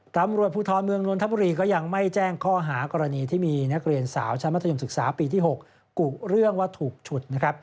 ตำรวจภูทรเมืองนนทบุรีก็ยังไม่แจ้งข้อหากรณีที่มีนักเรียนสาวชั้นมัธยมศึกษาปีที่๖กุเรื่องว่าถูกฉุดนะครับ